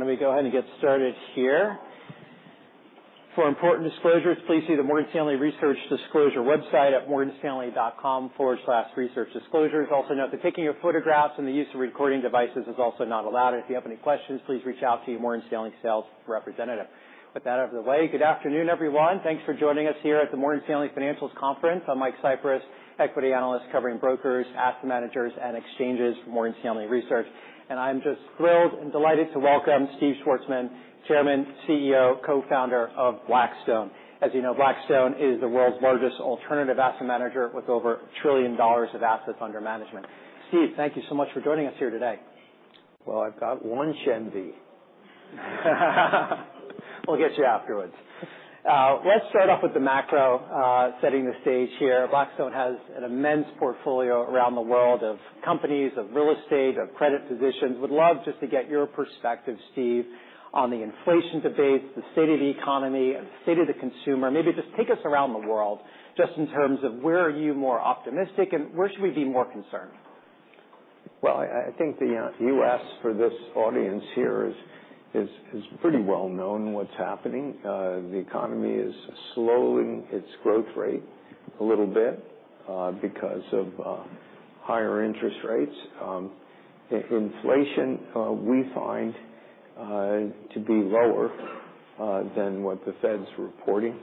Why don't we go ahead and get started here? For important disclosures, please see the Morgan Stanley Research Disclosure website at morganstanley.com/researchdisclosures. Also note, the taking of photographs and the use of recording devices is also not allowed. If you have any questions, please reach out to your Morgan Stanley sales representative. With that out of the way, good afternoon, everyone. Thanks for joining us here at the Morgan Stanley Financials Conference. I'm Mike Cyprys, equity analyst covering brokers, asset managers, and exchanges for Morgan Stanley Research. And I'm just thrilled and delighted to welcome Steve Schwarzman, Chairman, CEO, Co-Founder of Blackstone. As you know, Blackstone is the world's largest alternative asset manager with over $1 trillion of assets under management. Steve, thank you so much for joining us here today. Well, I've got one Shandy. We'll get you afterwards. Let's start off with the macro, setting the stage here. Blackstone has an immense portfolio around the world of companies, of real estate, of credit positions. Would love just to get your perspective, Steve, on the inflation debate, the state of the economy, and the state of the consumer. Maybe just take us around the world, just in terms of where are you more optimistic and where should we be more concerned? Well, I think the US, for this audience here, is pretty well known what's happening. The economy is slowing its growth rate a little bit because of higher interest rates. If inflation we find to be lower than what the Fed's reporting.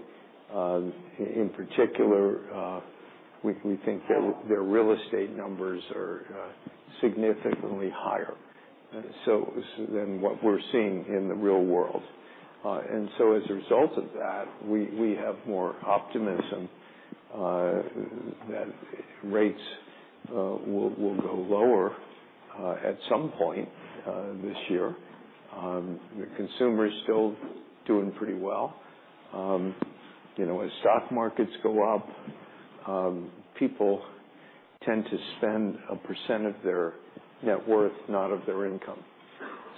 In particular, we think their real estate numbers are significantly higher than what we're seeing in the real world. And so as a result of that, we have more optimism that rates will go lower at some point this year. The consumer is still doing pretty well. You know, as stock markets go up, people tend to spend 1% of their net worth, not of their income.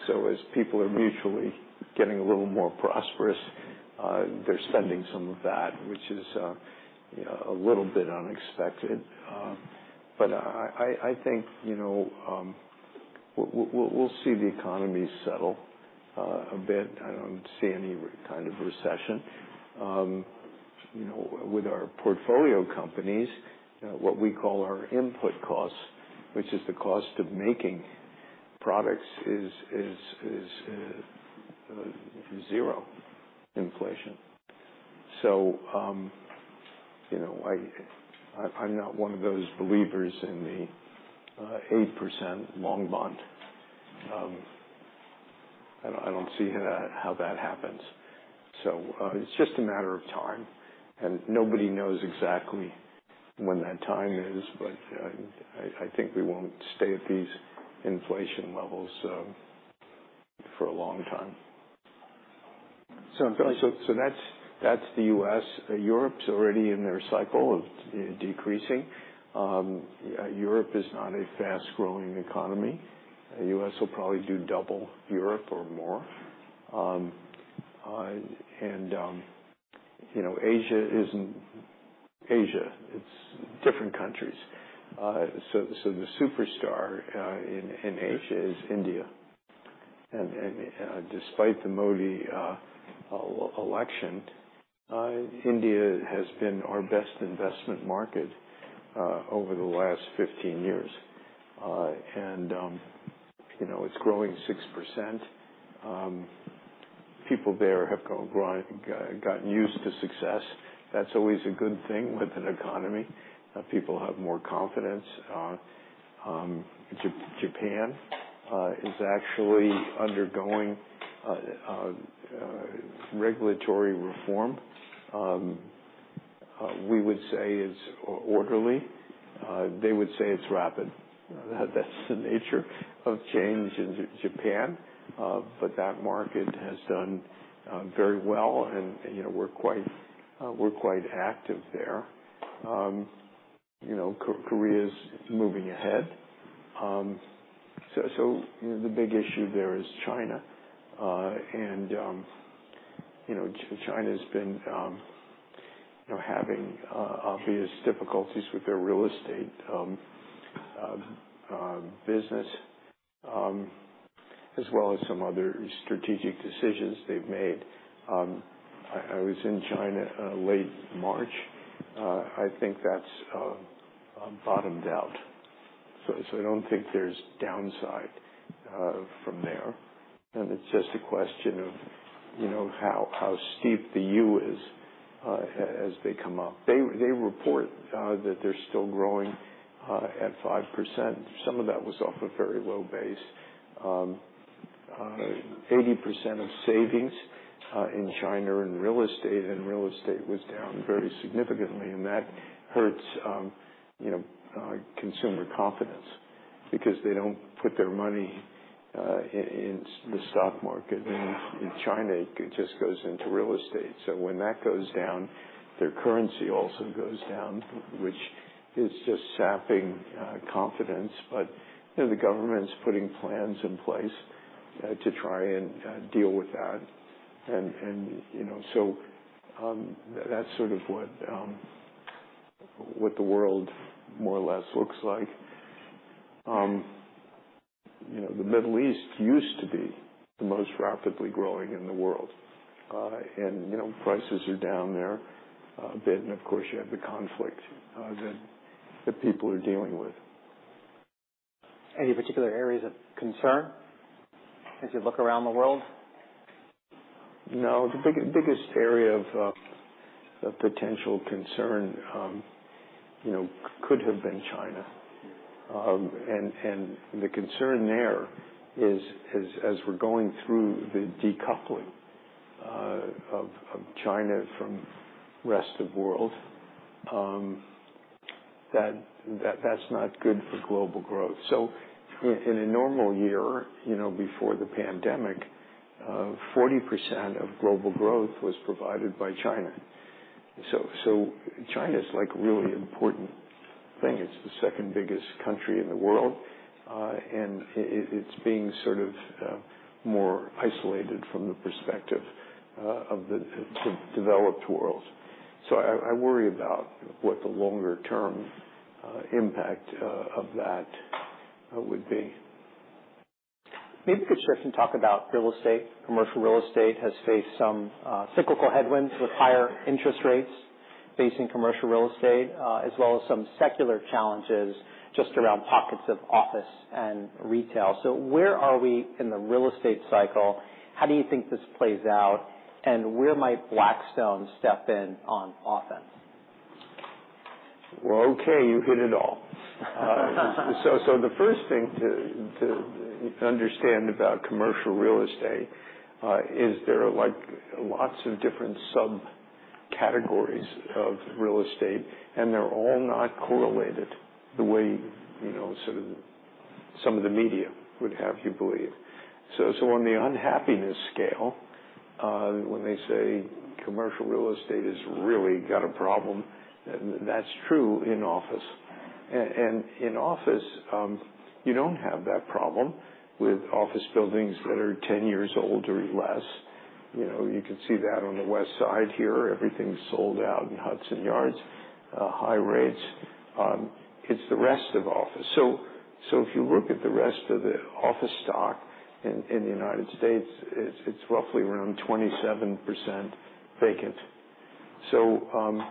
So as people are mutually getting a little more prosperous, they're spending some of that, which is, you know, a little bit unexpected. But I think, you know, we'll see the economy settle a bit. I don't see any kind of recession. You know, with our portfolio companies, what we call our input costs, which is the cost of making products, is zero inflation. So, you know, I'm not one of those believers in the 8% long bond. I don't see how that happens. So, it's just a matter of time, and nobody knows exactly when that time is, but I think we won't stay at these inflation levels for a long time. So that's the U.S. Europe's already in their cycle of decreasing. Europe is not a fast-growing economy. U.S. will probably do double Europe or more. You know, Asia isn't Asia. It's different countries. So the superstar in Asia is India. And despite the Modi election, India has been our best investment market over the last 15 years. And you know, it's growing 6%. People there have gotten used to success. That's always a good thing with an economy. People have more confidence. Japan is actually undergoing regulatory reform. We would say it's orderly. They would say it's rapid. That's the nature of change in Japan, but that market has done very well, and, you know, we're quite, we're quite active there. You know, Korea is moving ahead. So, so the big issue there is China. And, you know, China's been, you know, having obvious difficulties with their real estate business, as well as some other strategic decisions they've made. I, I was in China late March. I think that's bottomed out. So, so I don't think there's downside from there, and it's just a question of, you know, how, how steep the U is, as they come up. They, they report that they're still growing at 5%. Some of that was off a very low base. Eighty percent of savings in China are in real estate, and real estate was down very significantly, and that hurts, you know, consumer confidence because they don't put their money in the stock market. In China, it just goes into real estate. So when that goes down, their currency also goes down, which is just sapping confidence. But, you know, the government's putting plans in place to try and deal with that. And, you know, so that's sort of what the world more or less looks like. You know, the Middle East used to be the most rapidly growing in the world. And, you know, prices are down there a bit, and of course, you have the conflict that people are dealing with. Any particular areas of concern as you look around the world? No, the biggest area of potential concern could have been China. And the concern there is, as we're going through the decoupling of China from rest of world, that that's not good for global growth. So in a normal year, you know, before the pandemic, 40% of global growth was provided by China. So China's like a really important thing. It's the second biggest country in the world, and it's being sort of more isolated from the perspective of the developed world. So I worry about what the longer term impact of that would be. Maybe we could switch and talk about real estate. Commercial real estate has faced some, cyclical headwinds with higher interest rates facing commercial real estate, as well as some secular challenges just around pockets of office and retail. So where are we in the real estate cycle? How do you think this plays out, and where might Blackstone step in on offense? Well, okay, you hit it all. So, the first thing to understand about commercial real estate is there are, like, lots of different subcategories of real estate, and they're all not correlated the way, you know, sort of some of the media would have you believe. So, on the unhappiness scale, when they say commercial real estate has really got a problem, that's true in office. And in office, you don't have that problem with office buildings that are 10 years old or less. You know, you can see that on the West Side here, everything's sold out in Hudson Yards, high rates. It's the rest of office. So, if you look at the rest of the office stock in the United States, it's roughly around 27% vacant. So,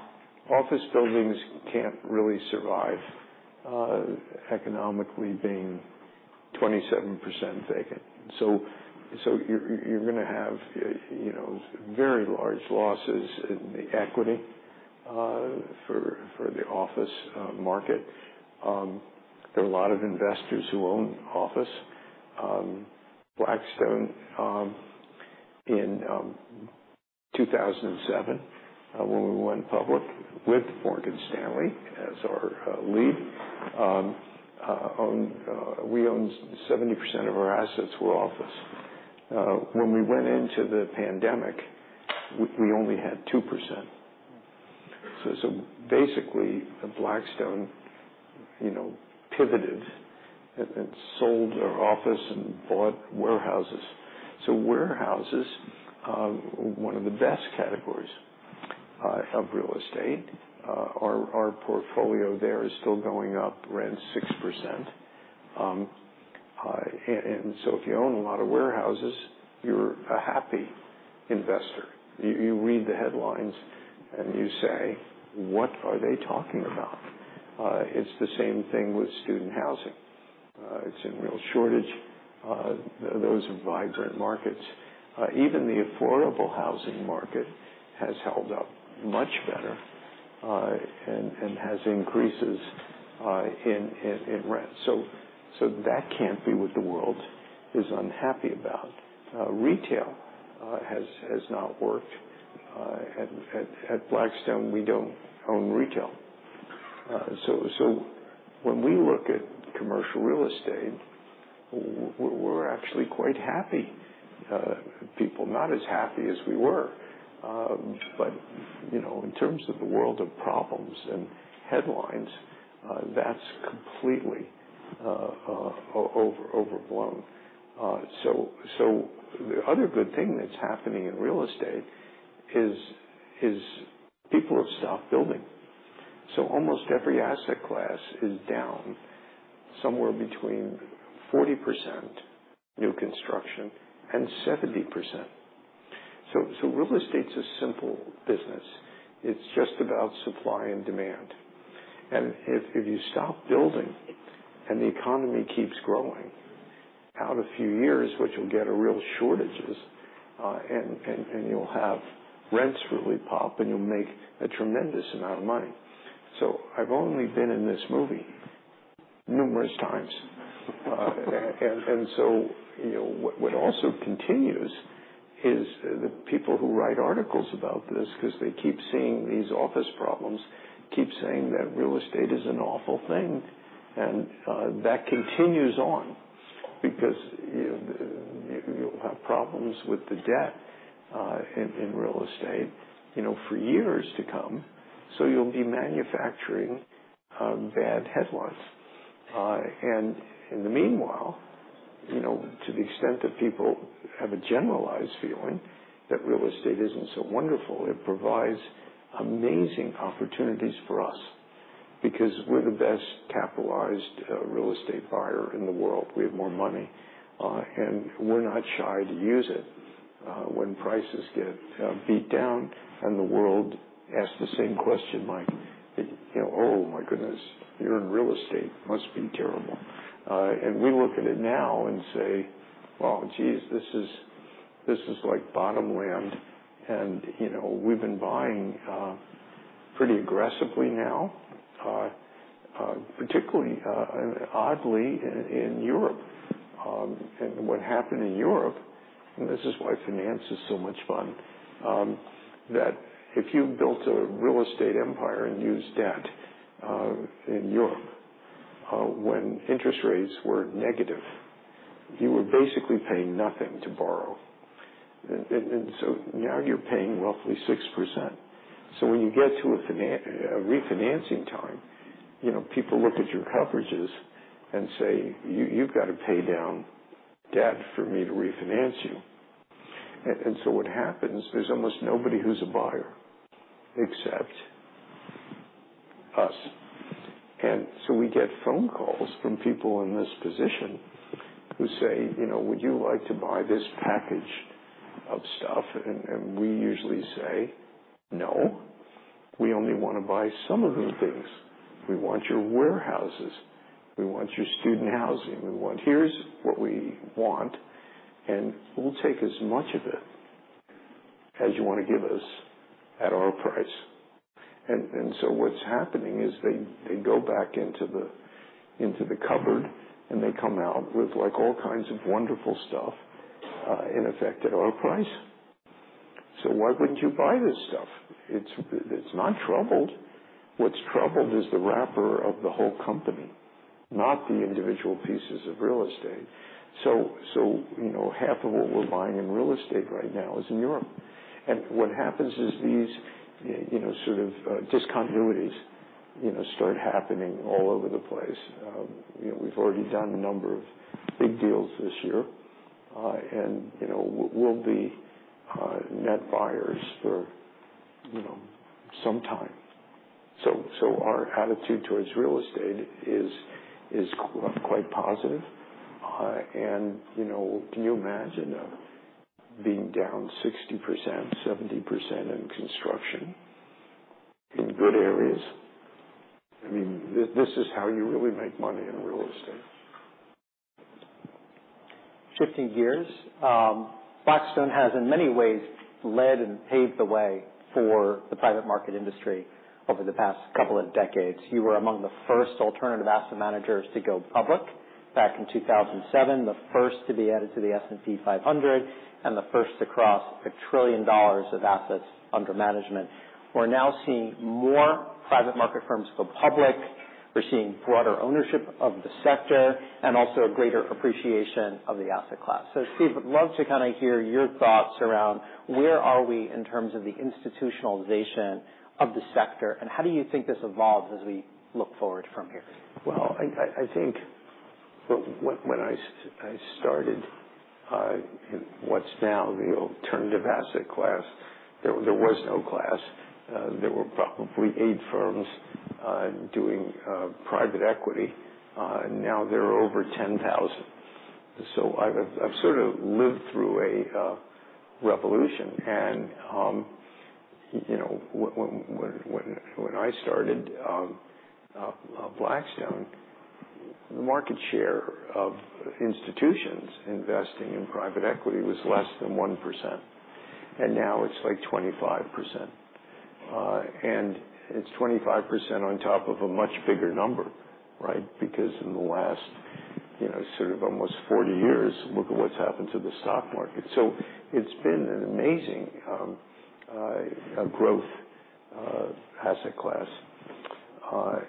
office buildings can't really survive economically being 27% vacant. So, you're gonna have, you know, very large losses in the equity for the office market. There are a lot of investors who own office. Blackstone, in 2007, when we went public with Morgan Stanley as our lead, we owned 70% of our assets were office. When we went into the pandemic, we only had 2%. So, basically, Blackstone pivoted and sold their office and bought warehouses. So warehouses are one of the best categories of real estate. Our portfolio there is still going up rent 6%. And so if you own a lot of warehouses, you're a happy investor. You read the headlines and you say: What are they talking about? It's the same thing with student housing. It's in real shortage. Those are vibrant markets. Even the affordable housing market has held up much better, and has increases in rent. So that can't be what the world is unhappy about. Retail has not worked. At Blackstone, we don't own retail. So when we look at commercial real estate, we're actually quite happy, people. Not as happy as we were, but you know, in terms of the world of problems and headlines, that's completely overblown. So the other good thing that's happening in real estate is people have stopped building. So almost every asset class is down somewhere between 40% new construction and 70%. So real estate's a simple business. It's just about supply and demand. And if you stop building and the economy keeps growing, out a few years, which you'll get a real shortages, and you'll have rents really pop, and you'll make a tremendous amount of money. So I've only been in this movie numerous times. And so you know, what also continues is the people who write articles about this, because they keep seeing these office problems, keep saying that real estate is an awful thing. And that continues on because, you, you'll have problems with the debt, in real estate, you know, for years to come. So you'll be manufacturing bad headlines. And in the meanwhile, you know, to the extent that people have a generalized feeling that real estate isn't so wonderful, it provides amazing opportunities for us, because we're the best capitalized real estate buyer in the world. We have more money, and we're not shy to use it. When prices get beat down and the world asks the same question, Mike, you know, "Oh, my goodness, you're in real estate, must be terrible." And we look at it now and say: Well, geez, this is, this is like bottom land. And, you know, we've been buying pretty aggressively now, particularly, oddly, in Europe. And what happened in Europe, and this is why finance is so much fun, that if you built a real estate empire and used debt in Europe, when interest rates were negative, you were basically paying nothing to borrow. And so now you're paying roughly 6%. So when you get to a refinancing time, you know, people look at your coverages and say, "You've got to pay down debt for me to refinance you." And so what happens, there's almost nobody who's a buyer except us. And so we get phone calls from people in this position who say, "You know, would you like to buy this package of stuff?" And we usually say, "No, we only want to buy some of these things. We want your warehouses. We want your student housing. We want... Here's what we want, and we'll take as much of it as you want to give us at our price." So what's happening is they go back into the cupboard, and they come out with, like, all kinds of wonderful stuff, in effect, at our price. So why wouldn't you buy this stuff? It's not troubled. What's troubled is the wrapper of the whole company, not the individual pieces of real estate. So, you know, half of what we're buying in real estate right now is in Europe. And what happens is these, you know, sort of, discontinuities, you know, start happening all over the place. You know, we've already done a number of big deals this year. And, you know, we'll be net buyers for, you know, some time. So our attitude towards real estate is quite positive. You know, can you imagine being down 60%, 70% in construction in good areas? I mean, this is how you really make money in real estate. Fifty years. Blackstone has, in many ways, led and paved the way for the private market industry over the past couple of decades. You were among the first alternative asset managers to go public back in 2007, the first to be added to the S&P 500, and the first to cross $1 trillion of assets under management. We're now seeing more private market firms go public. We're seeing broader ownership of the sector and also a greater appreciation of the asset class. So, Steve, I'd love to kind of hear your thoughts around where are we in terms of the institutionalization of the sector, and how do you think this evolves as we look forward from here? Well, I think when I started in what's now the alternative asset class, there was no class. There were probably eight firms doing private equity. Now there are over 10,000. So I've sort of lived through a revolution. And you know, when I started Blackstone, the market share of institutions investing in private equity was less than 1%, and now it's like 25%. And it's 25% on top of a much bigger number, right? Because in the last, you know, sort of almost 40 years, look at what's happened to the stock market. So it's been an amazing growth asset class.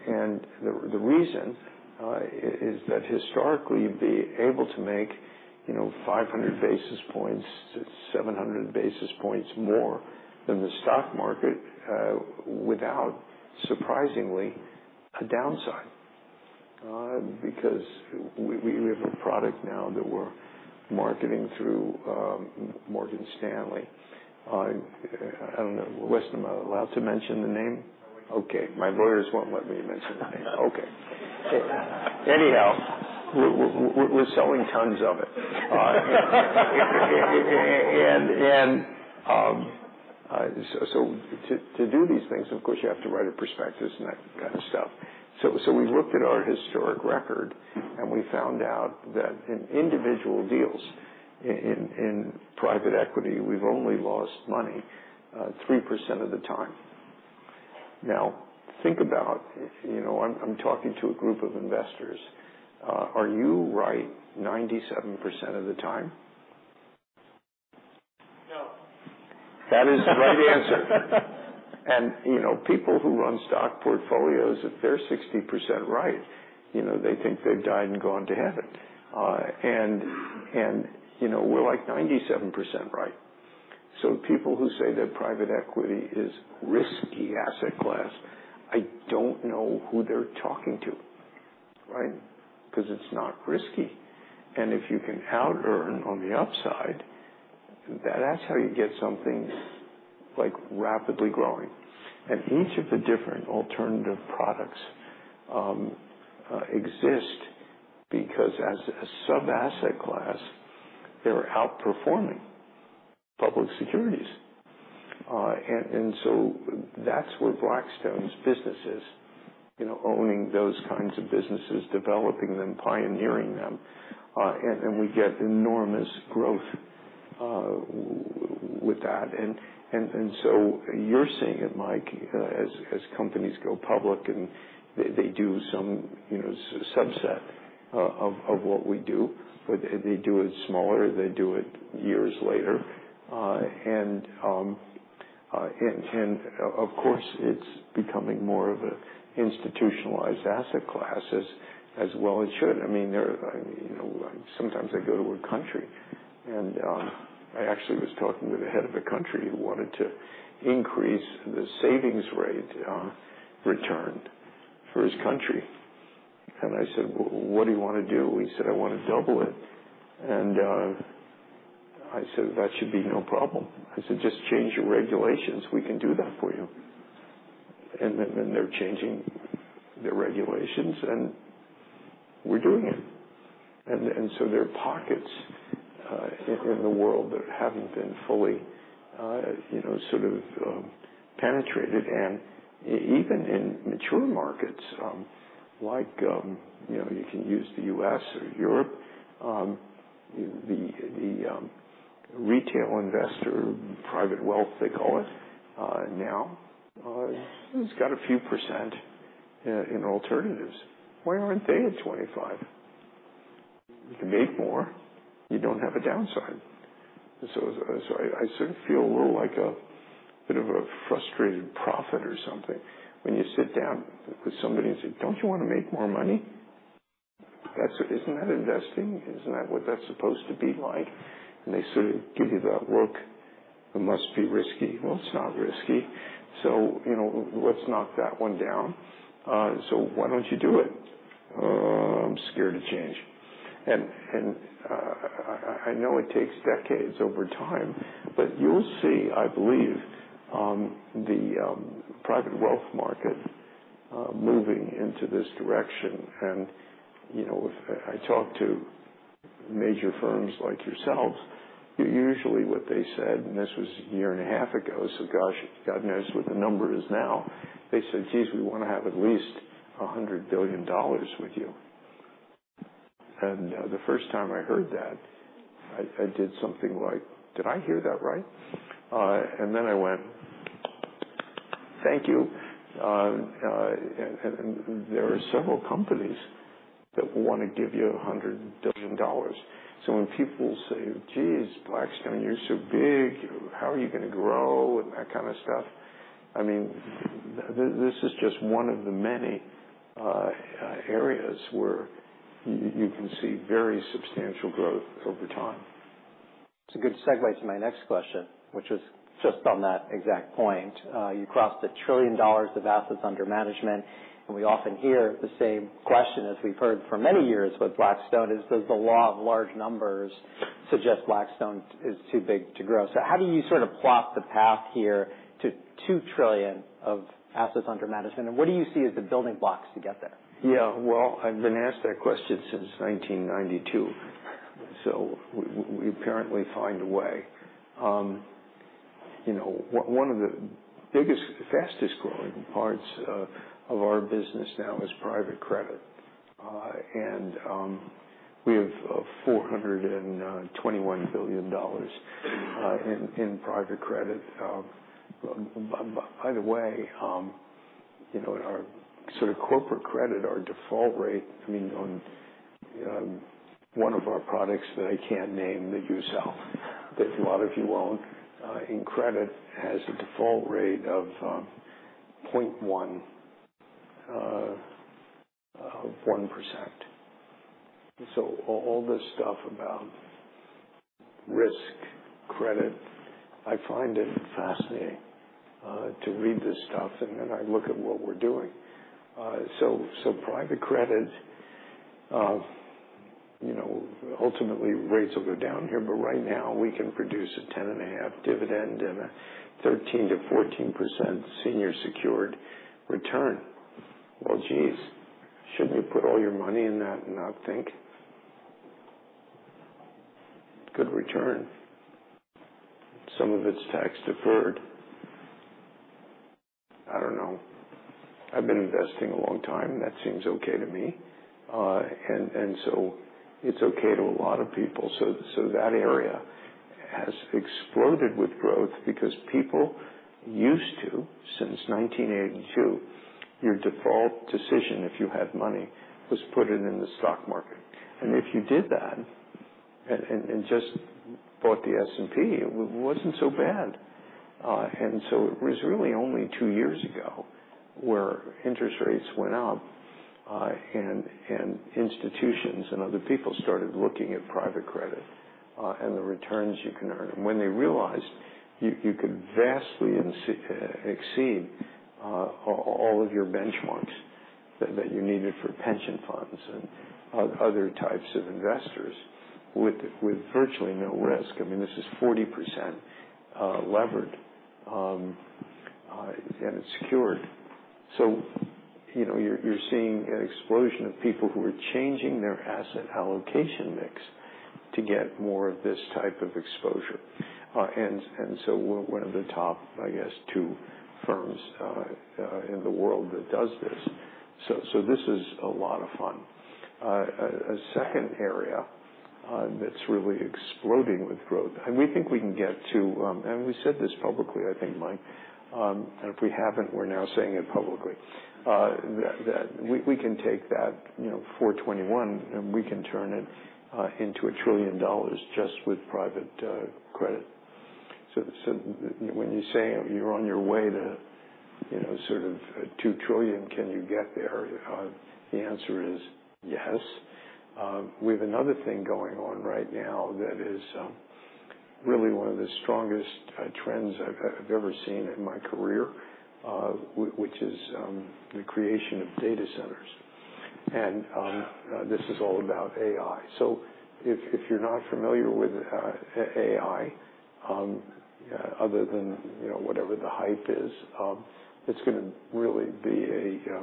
And the reason is that historically, you'd be able to make, you know, 500 basis points-700 basis points more than the stock market, without, surprisingly, a downside. Because we have a product now that we're marketing through Morgan Stanley. I don't know. Weston, am I allowed to mention the name? ... Okay, my lawyers won't let me mention the name. Okay. Anyhow, we're selling tons of it. And so to do these things, of course, you have to write a prospectus and that kind of stuff. So we looked at our historic record, and we found out that in individual deals, in private equity, we've only lost money 3% of the time. Now, think about, you know, I'm talking to a group of investors. Are you right 97% of the time? No. That is the right answer. You know, people who run stock portfolios, if they're 60% right, you know, they think they've died and gone to heaven. You know, we're, like, 97% right. So people who say that private equity is risky asset class, I don't know who they're talking to, right? Because it's not risky. And if you can outearn on the upside, that's how you get something like rapidly growing. And each of the different alternative products exist because as a sub-asset class, they're outperforming public securities. So that's where Blackstone's business is, you know, owning those kinds of businesses, developing them, pioneering them, and we get enormous growth with that. So you're seeing it, Mike, as companies go public, and they do some, you know, subset of what we do, but they do it smaller, they do it years later. And of course, it's becoming more of an institutionalized asset class, as well it should. I mean, there are, I mean, you know, sometimes I go to a country and I actually was talking to the head of a country who wanted to increase the savings rate return for his country. And I said, "Well, what do you want to do?" He said, "I want to double it." And I said, "That should be no problem." I said, "Just change your regulations. We can do that for you." And then they're changing their regulations, and we're doing it. And so there are pockets in the world that haven't been fully, you know, sort of, penetrated. And even in mature markets, like, you know, you can use the U.S. or Europe, the retail investor, private wealth, they call it, now, it's got a few percent in alternatives. Why aren't they at 25? You can make more. You don't have a downside. So, so I sort of feel we're like a bit of a frustrated prophet or something. When you sit down with somebody and say: Don't you want to make more money? That's... Isn't that investing? Isn't that what that's supposed to be like? And they sort of give you that look, it must be risky. Well, it's not risky, so, you know, let's knock that one down. So why don't you do it? I'm scared of change. And, and, I, I know it takes decades over time, but you'll see, I believe, the private wealth market moving into this direction. And, you know, if I talk to major firms like yourselves, usually what they said, and this was a year and a half ago, so gosh, God knows what the number is now. They said, "Geez, we want to have at least $100 billion with you." And, the first time I heard that, I, I did something like: Did I hear that right? And then I went, "thank you." And, and there are several companies that want to give you $100 billion. So when people say, "Geez, Blackstone, you're so big, how are you going to grow?" And that kind of stuff, I mean, this is just one of the many areas where you can see very substantial growth over time. It's a good segue to my next question, which is just on that exact point. You crossed $1 trillion of assets under management, and we often hear the same question as we've heard for many years with Blackstone is, does the law of large numbers suggest Blackstone is too big to grow? So how do you sort of plot the path here to $2 trillion of assets under management, and what do you see as the building blocks to get there? Yeah, well, I've been asked that question since 1992, so we apparently find a way. You know, one of the biggest, fastest growing parts of our business now is private credit. And we have $421 billion in private credit. By the way, you know, in our sort of corporate credit, our default rate, I mean, on one of our products that I can't name, that you sell, that a lot of you own in credit, has a default rate of 0.11%. So all this stuff about risk, credit, I find it fascinating to read this stuff, and then I look at what we're doing. So, so private credit, you know, ultimately rates will go down here, but right now we can produce a 10.5 dividend and a 13%-14% senior secured return. Well, geez, shouldn't you put all your money in that and not think? Good return. Some of it's tax-deferred. I don't know. I've been investing a long time, and that seems okay to me. And, and so it's okay to a lot of people. So, so that area has exploded with growth because people used to, since 1982, your default decision, if you had money, was put it in the stock market. And if you did that and just bought the S&P, it wasn't so bad. And so it was really only two years ago where interest rates went up, and institutions and other people started looking at private credit, and the returns you can earn. And when they realized you could vastly exceed all of your benchmarks that you needed for pension funds and other types of investors with virtually no risk. I mean, this is 40% levered, and it's secured. So, you know, you're seeing an explosion of people who are changing their asset allocation mix to get more of this type of exposure. And so we're one of the top, I guess, two firms in the world that does this. So, this is a lot of fun. A second area that's really exploding with growth, and we think we can get to. And we said this publicly, I think, Mike, and if we haven't, we're now saying it publicly. That we can take that, you know, $421 billion, and we can turn it into $1 trillion just with private credit. So, when you say you're on your way to, you know, sort of $2 trillion, can you get there? The answer is yes. We have another thing going on right now that is really one of the strongest trends I've ever seen in my career, which is the creation of data centers. And this is all about AI. So if you're not familiar with AI, other than, you know, whatever the hype is, it's gonna really be a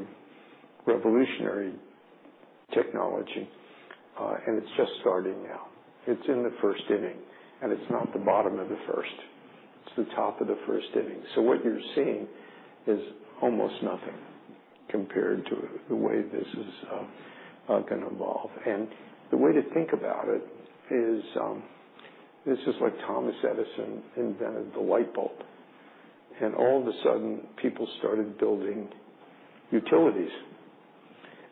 revolutionary technology, and it's just starting now. It's in the first inning, and it's not the bottom of the first, it's the top of the first inning. So what you're seeing is almost nothing compared to the way this is gonna evolve. And the way to think about it is this is like Thomas Edison invented the light bulb, and all of a sudden, people started building utilities,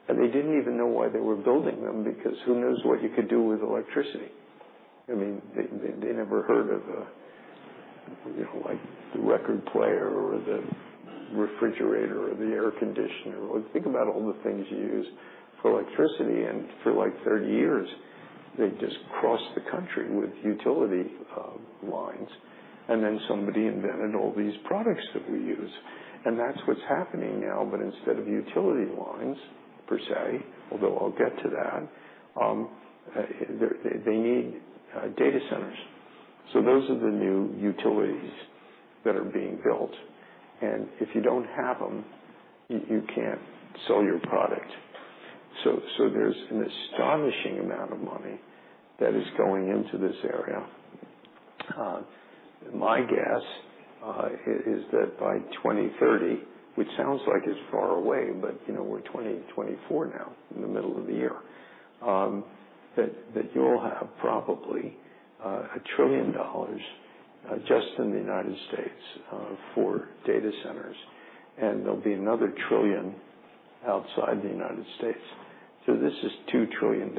and they didn't even know why they were building them, because who knows what you could do with electricity? I mean, they never heard of a, you know, like, the record player or the refrigerator or the air conditioner, or think about all the things you use for electricity. And for, like, 30 years, they just crossed the country with utility lines, and then somebody invented all these products that we use, and that's what's happening now. But instead of utility lines per se, although I'll get to that, they need data centers. So those are the new utilities that are being built, and if you don't have them, you can't sell your product. So there's an astonishing amount of money that is going into this area. My guess is that by 2030, which sounds like it's far away, but you know, we're 2024 now, in the middle of the year, that you'll have probably a $1 trillion just in the United States for data centers, and there'll be another $1 trillion outside the United States. So this is $2 trillion.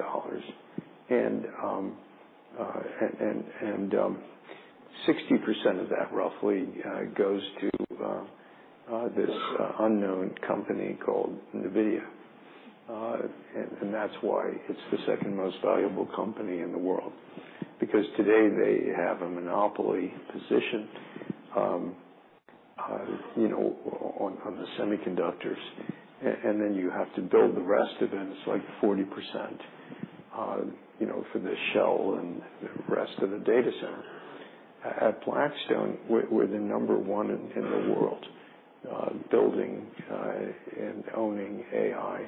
Sixty percent of that roughly goes to this unknown company called NVIDIA. And that's why it's the second most valuable company in the world, because today they have a monopoly position, you know, on the semiconductors. And then you have to build the rest of it, and it's like 40%, you know, for the shell and the rest of the data center. At Blackstone, we're the number one in the world, building and owning AI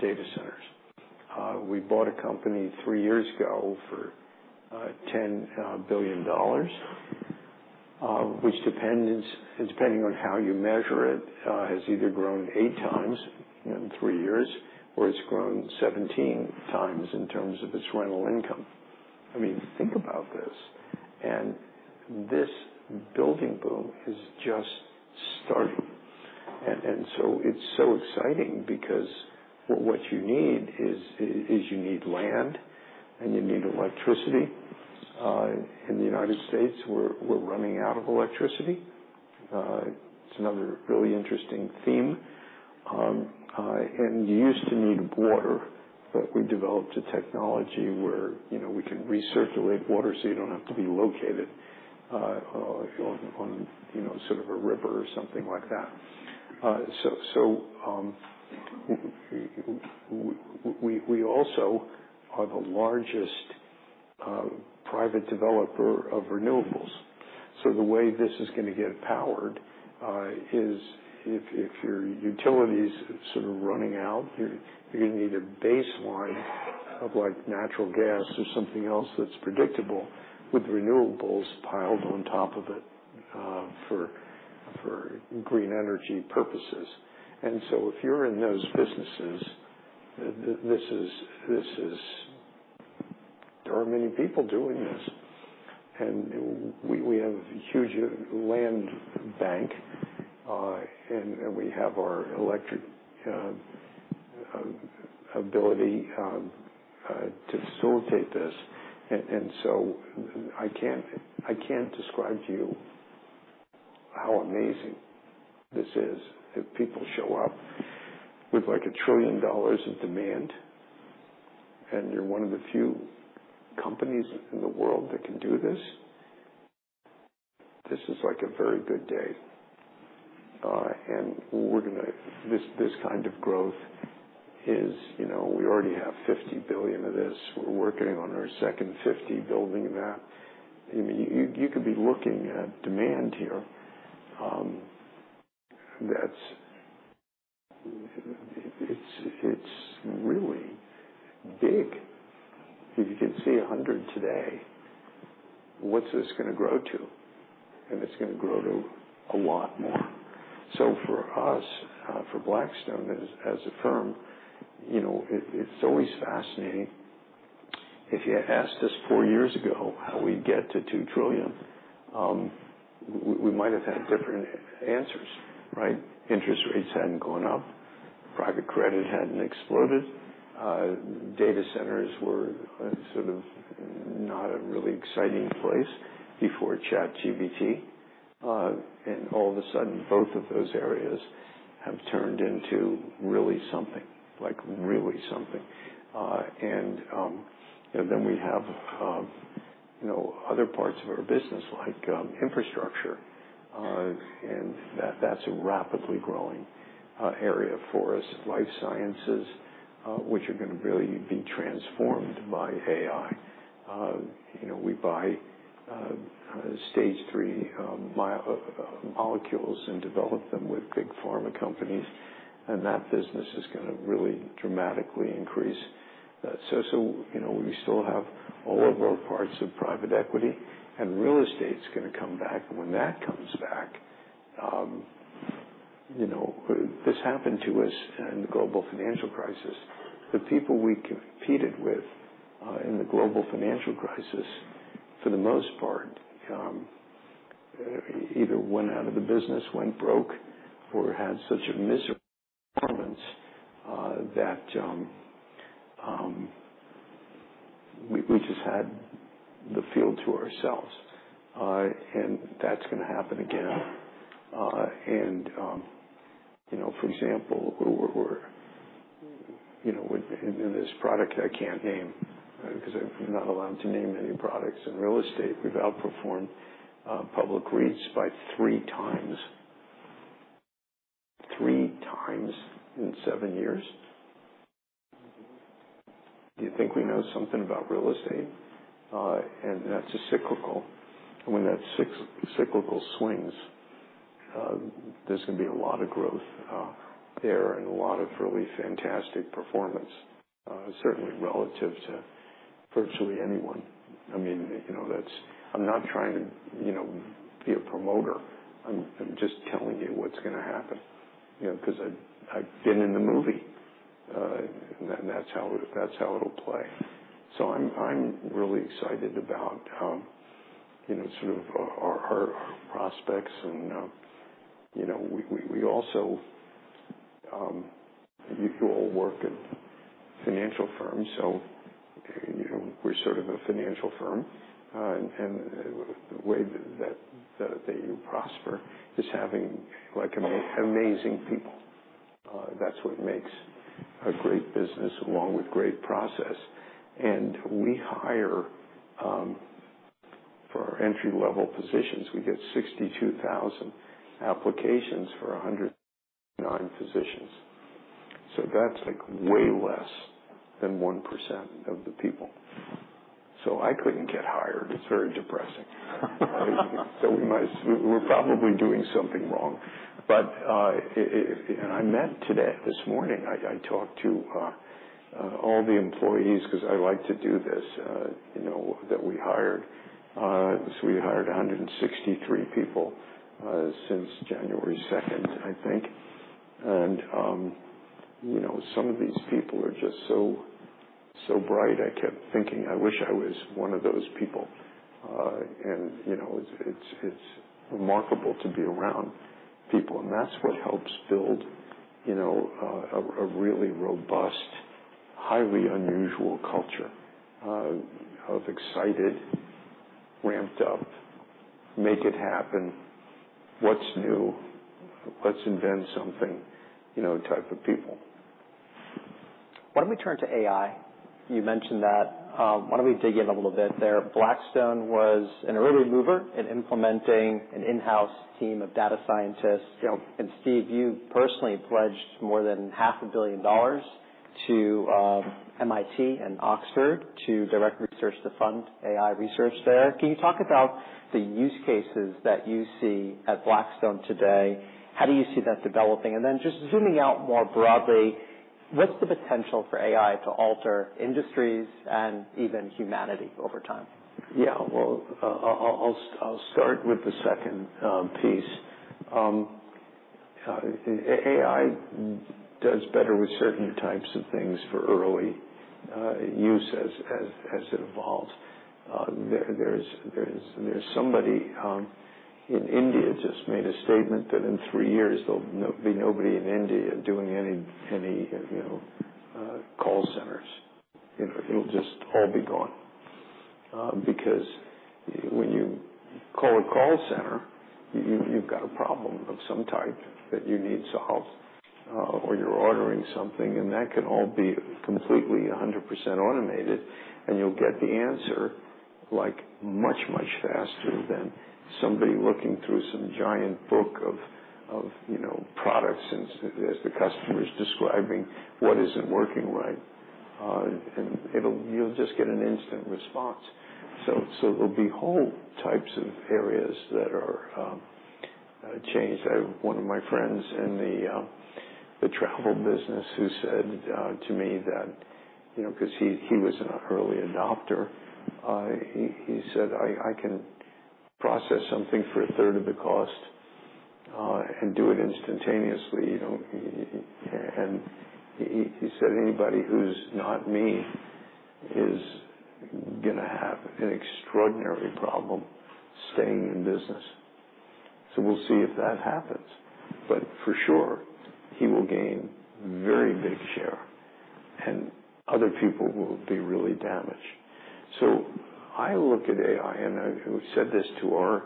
data centers. We bought a company three years ago for $10 billion, which, depending on how you measure it, has either grown 8 times in three years, or it's grown 17 times in terms of its rental income. I mean, think about this, and this building boom is just starting. And so it's so exciting because what you need is you need land, and you need electricity. In the United States, we're running out of electricity. It's another really interesting theme. And you used to need water, but we developed a technology where, you know, we can recirculate water, so you don't have to be located on, you know, sort of a river or something like that. So we also are the largest private developer of renewables. So the way this is gonna get powered is if your utility's sort of running out, you're gonna need a baseline of, like, natural gas or something else that's predictable, with renewables piled on top of it, for green energy purposes. And so if you're in those businesses, this is... There aren't many people doing this. And we have a huge land bank, and we have our electrical ability to facilitate this. And so I can't describe to you how amazing this is, if people show up with, like, $1 trillion in demand, and you're one of the few companies in the world that can do this. This is like a very good day. This, this kind of growth is, you know, we already have $50 billion of this. We're working on our second 50, building that. I mean, you, you could be looking at demand here, that's... It's, it's really big. If you can see 100 today, what's this gonna grow to? And it's gonna grow to a lot more. So for us, for Blackstone, as, as a firm, you know, it, it's always fascinating. If you had asked us 4 years ago how we'd get to $2 trillion, we, we might have had different answers, right? Interest rates hadn't gone up, private credit hadn't exploded. Data centers were sort of not a really exciting place before ChatGPT. And all of a sudden, both of those areas have turned into really something, like, really something. We have, you know, other parts of our business like infrastructure, and that's a rapidly growing area for us. Life sciences, which are gonna really be transformed by AI. You know, we buy stage-three biomolecules and develop them with big pharma companies, and that business is gonna really dramatically increase. You know, we still have all of our parts of private equity, and real estate's gonna come back. When that comes back, you know, this happened to us in the global financial crisis. The people we competed with in the global financial crisis, for the most part, either went out of the business, went broke, or had such a miserable performance that we just had the field to ourselves. And that's gonna happen again. And, you know, for example, we're you know, in this product I can't name, because I'm not allowed to name any products in real estate. We've outperformed public REITs by 3 times. 3 times in 7 years. Do you think we know something about real estate? And that's a cyclical. When that cyclical swings, there's gonna be a lot of growth there and a lot of really fantastic performance, certainly relative to virtually anyone. I mean, you know, that's... I'm not trying to, you know, be a promoter. I'm just telling you what's gonna happen, you know, because I've been in the movie, and that's how it, that's how it'll play. So I'm really excited about, you know, sort of our prospects and, you know, we also you all work at financial firms, so, you know, we're sort of a financial firm. And the way that you prosper is having, like, amazing people. That's what makes a great business along with great process. And we hire for our entry-level positions, we get 62,000 applications for 109 positions, so that's, like, way less than 1% of the people. So I couldn't get hired. It's very depressing. So we must, we're probably doing something wrong. But and I met today, this morning, I talked to all the employees, because I like to do this, you know, that we hired. So we hired 163 people since January second, I think. And you know, some of these people are just so, so bright. I kept thinking: I wish I was one of those people. And you know, it's remarkable to be around people, and that's what helps build you know, a really robust, highly unusual culture of excited, ramped up, make it happen, what's new, let's invent something, you know, type of people. Why don't we turn to AI? You mentioned that. Why don't we dig in a little bit there. Blackstone was an early mover in implementing an in-house team of data scientists. You know, and Steve, you personally pledged more than $500 million to MIT and Oxford to direct research to fund AI research there. Can you talk about the use cases that you see at Blackstone today? How do you see that developing? And then just zooming out more broadly, what's the potential for AI to alter industries and even humanity over time? Yeah, well, I'll start with the second piece. AI does better with certain types of things for early use as has evolved. There's somebody in India just made a statement that in 3 years, there'll be nobody in India doing any, you know, call centers. It'll just all be gone. Because when you call a call center, you've got a problem of some type that you need solved, or you're ordering something, and that can all be completely 100% automated, and you'll get the answer, like, much, much faster than somebody looking through some giant book of, you know, products, and as the customer is describing what isn't working right. And you'll just get an instant response. So there'll be whole types of areas that are changed. I have one of my friends in the travel business who said to me that, you know, 'cause he was an early adopter. He said: I can process something for a third of the cost and do it instantaneously, you know. And he said: Anybody who's not me is gonna have an extraordinary problem staying in business. So we'll see if that happens, but for sure, he will gain very big share, and other people will be really damaged. So I look at AI, and we said this to our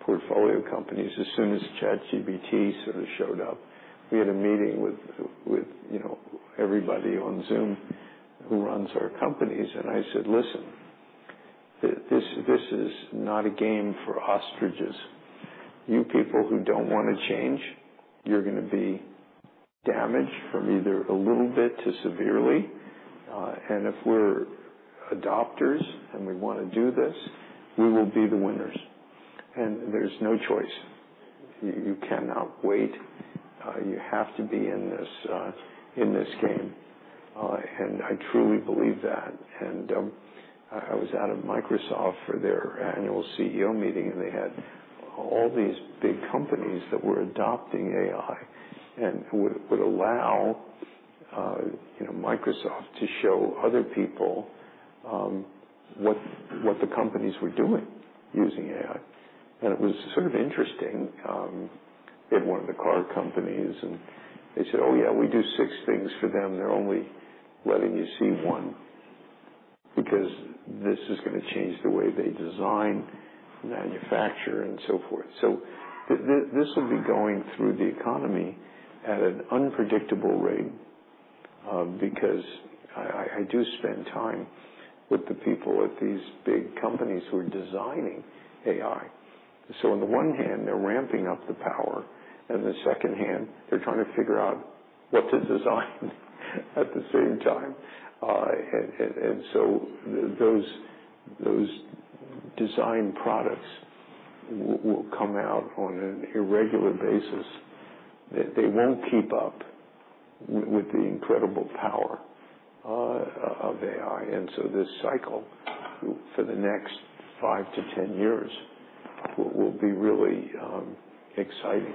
portfolio companies as soon as ChatGPT sort of showed up. We had a meeting with, you know, everybody on Zoom who runs our companies, and I said: Listen, this is not a game for ostriches. You people who don't want to change, you're gonna be damaged from either a little bit to severely. And if we're adopters and we wanna do this, we will be the winners. And there's no choice. You cannot wait. You have to be in this game. And I truly believe that. And I was out of Microsoft for their annual CEO meeting, and they had all these big companies that were adopting AI and would allow, you know, Microsoft to show other people what the companies were doing using AI. It was sort of interesting, they had one of the car companies, and they said: "Oh, yeah, we do six things for them. They're only letting you see one," because this is gonna change the way they design, manufacture, and so forth. So this will be going through the economy at an unpredictable rate, because I do spend time with the people at these big companies who are designing AI. So on the one hand, they're ramping up the power, and the second hand, they're trying to figure out what to design at the same time. And so those design products will come out on an irregular basis, that they won't keep up with the incredible power of AI. So this cycle, for the next 5-10 years, will be really exciting,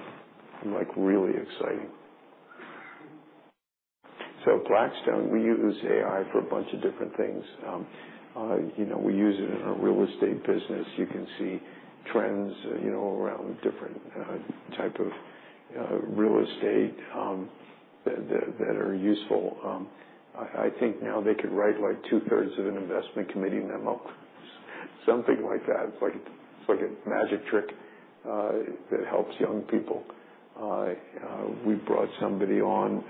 like, really exciting. So at Blackstone, we use AI for a bunch of different things. You know, we use it in our real estate business. You can see trends, you know, around different type of real estate that are useful. I think now they could write, like, two-thirds of an investment committee memo, something like that. It's like a magic trick that helps young people. We brought somebody on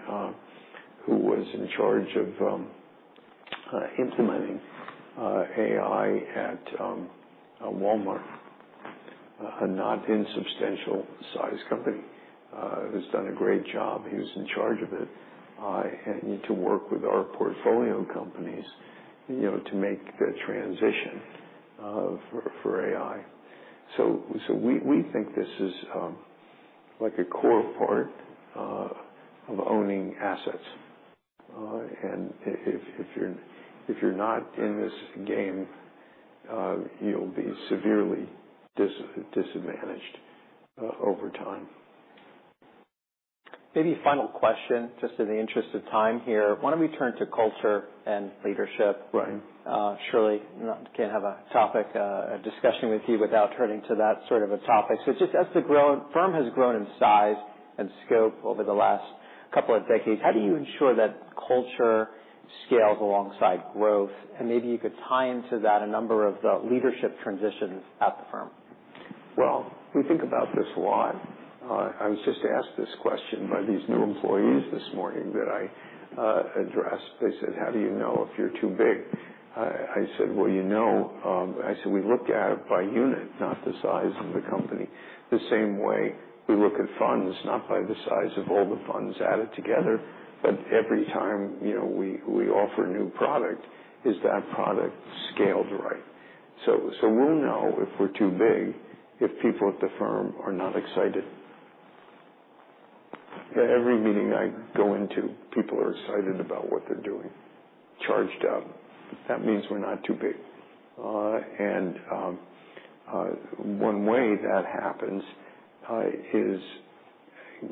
who was in charge of implementing AI at Walmart, a not insubstantial-sized company, who's done a great job. He was in charge of it. And to work with our portfolio companies, you know, to make the transition for AI. So we think this is like a core part of owning assets. And if you're not in this game, you'll be severely disadvantaged over time. Maybe final question, just in the interest of time here. Why don't we turn to culture and leadership? Right. Surely not, can't have a discussion with you without turning to that sort of a topic. So just as the firm has grown in size and scope over the last couple of decades, how do you ensure that culture scales alongside growth? And maybe you could tie into that a number of leadership transitions at the firm. Well, we think about this a lot. I was just asked this question by these new employees this morning that I addressed. They said: How do you know if you're too big? I said: Well, you know, I said: We look at it by unit, not the size of the company. The same way we look at funds, not by the size of all the funds added together, but every time, you know, we offer new product, is that product scaled right? So we'll know if we're too big, if people at the firm are not excited. Every meeting I go into, people are excited about what they're doing, charged up. That means we're not too big. One way that happens, you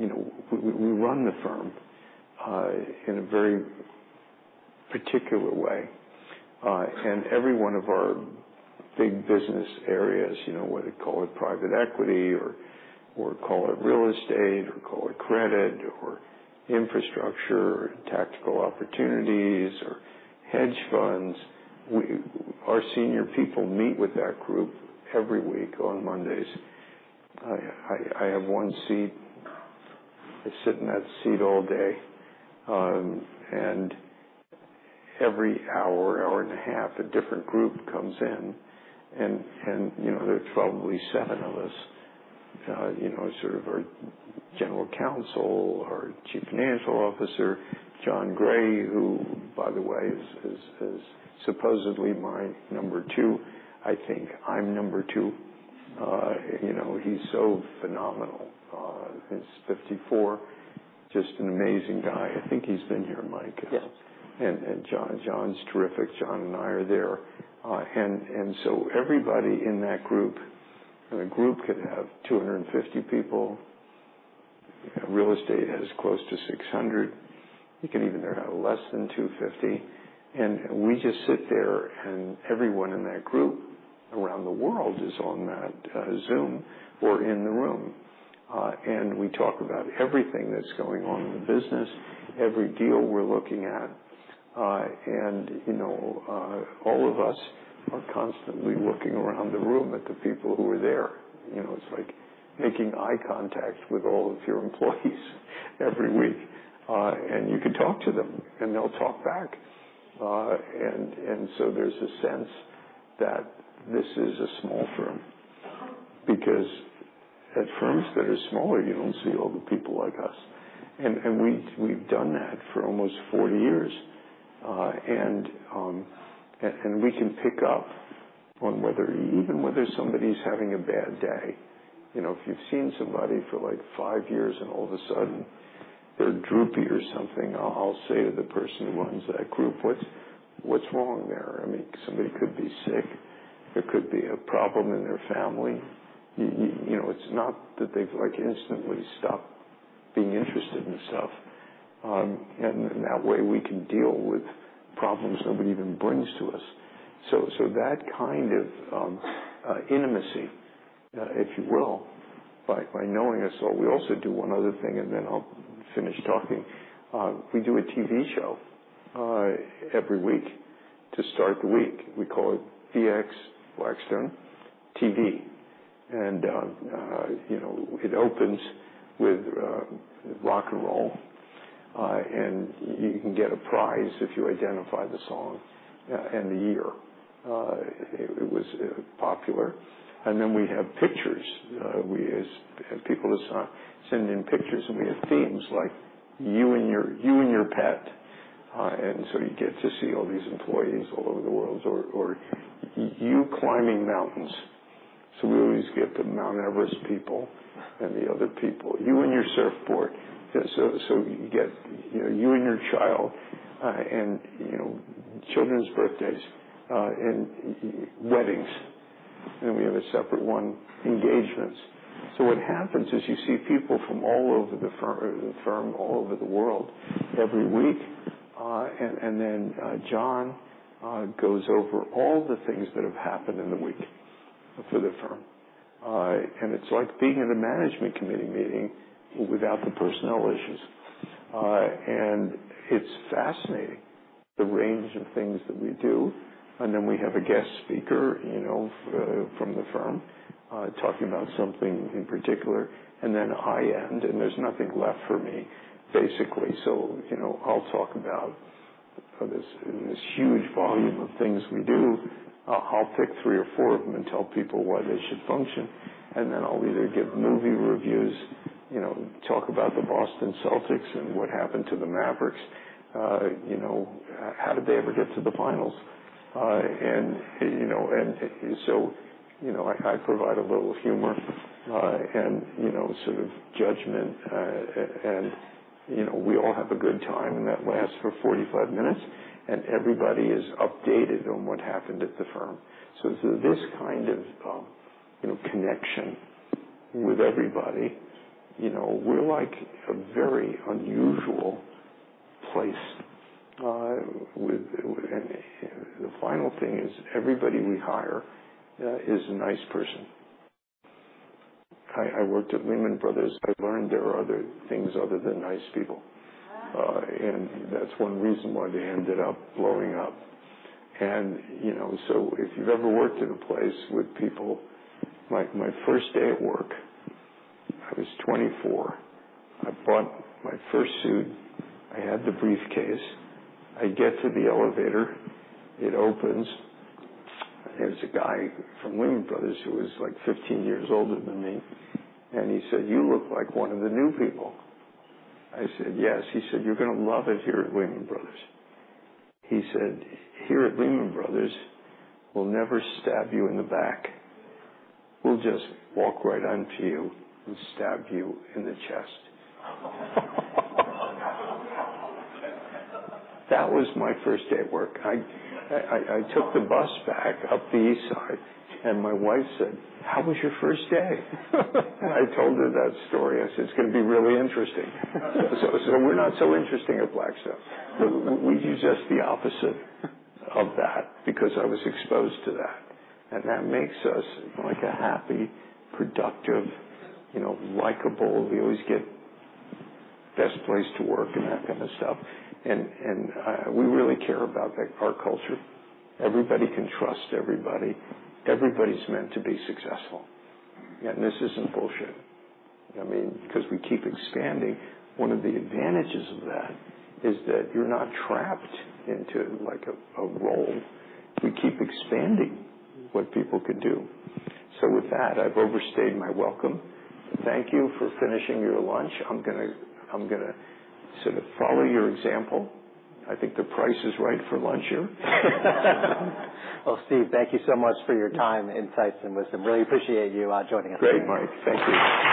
know, we run the firm in a very particular way. And every one of our big business areas, you know, whether you call it private equity or, or call it real estate, or call it credit, or infrastructure, tactical opportunities, or hedge funds, we. Our senior people meet with that group every week on Mondays. I have one seat. I sit in that seat all day. And every hour, hour and a half, a different group comes in, and, you know, there are probably seven of us. You know, sort of our general counsel, our chief financial officer, John Gray, who, by the way, is supposedly my number two. I think I'm number two. You know, he's so phenomenal. He's 54, just an amazing guy. I think he's been here, Mike. Yes. John's terrific. John and I are there. Everybody in that group, and the group could have 250 people. Real estate has close to 600. It can even have less than 250. We just sit there, and everyone in that group around the world is on that Zoom or in the room. We talk about everything that's going on in the business, every deal we're looking at. You know, all of us are constantly looking around the room at the people who are there. You know, it's like making eye contact with all of your employees every week, and you can talk to them, and they'll talk back. And so there's a sense that this is a small firm, because at firms that are smaller, you don't see all the people like us. And we, we've done that for almost 40 years. And we can pick up on whether... Even whether somebody's having a bad day. You know, if you've seen somebody for, like, 5 years and all of a sudden they're droopy or something, I'll say to the person who runs that group, "What's wrong there?" I mean, somebody could be sick. There could be a problem in their family. You know, it's not that they've, like, instantly stopped being interested in stuff. And in that way, we can deal with problems nobody even brings to us. So that kind of intimacy, if you will, by knowing us. So we also do one other thing, and then I'll finish talking. We do a TV show every week to start the week. We call it BX Blackstone TV, and, you know, it opens with rock and roll. And you can get a prize if you identify the song and the year it was popular. And then we have pictures. We ask people to send in pictures, and we have themes like you and your pet. And so you get to see all these employees all over the world, or you climbing mountains. So we always get the Mount Everest people and the other people. You and your surfboard. So you get, you know, you and your child, and, you know, children's birthdays, and weddings, and we have a separate one, engagements. So what happens is you see people from all over the firm, the firm, all over the world every week. And then John goes over all the things that have happened in the week for the firm. And it's like being in a management committee meeting without the personnel issues. And it's fascinating, the range of things that we do. And then we have a guest speaker, you know, from the firm, talking about something in particular. And then I end, and there's nothing left for me, basically. So, you know, I'll talk about this, this huge volume of things we do. I'll pick three or four of them and tell people why they should function. And then I'll either give movie reviews, you know, talk about the Boston Celtics and what happened to the Mavericks. You know, how did they ever get to the finals? And you know, and so, you know, I provide a little humor, and you know, sort of judgment, and you know, we all have a good time, and that lasts for 45 minutes, and everybody is updated on what happened at the firm. So this kind of, you know, connection with everybody, you know, we're like a very unusual place, with... And the final thing is, everybody we hire is a nice person. I worked at Lehman Brothers. I learned there are other things other than nice people, and that's one reason why they ended up blowing up. And, you know, so if you've ever worked in a place with people... Like, my first day at work, I was 24. I bought my first suit. I had the briefcase. I get to the elevator, it opens. There's a guy from Lehman Brothers who was, like, 15 years older than me, and he said, "You look like one of the new people." I said, "Yes." He said, "You're gonna love it here at Lehman Brothers." He said, "Here at Lehman Brothers, we'll never stab you in the back. We'll just walk right onto you and stab you in the chest." That was my first day at work. I took the bus back up the East Side, and my wife said, "How was your first day?" And I told her that story. I said, "It's going to be really interesting." So, we're not so interesting at Blackstone. We use just the opposite of that because I was exposed to that, and that makes us, like, a happy, productive, you know, likable. We always get best place to work and that kind of stuff, and we really care about that, our culture. Everybody can trust everybody. Everybody's meant to be successful, and this isn't bullshit. I mean, because we keep expanding. One of the advantages of that is that you're not trapped into, like, a role. We keep expanding what people could do. So with that, I've overstayed my welcome. Thank you for finishing your lunch. I'm gonna sort of follow your example. I think the price is right for lunch here. Well, Steve, thank you so much for your time, insights, and wisdom. Really appreciate you joining us. Great, Mike. Thank you.